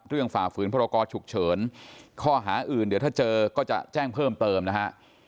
ฝ่าฝืนพรกรฉุกเฉินข้อหาอื่นเดี๋ยวถ้าเจอก็จะแจ้งเพิ่มเติมนะฮะ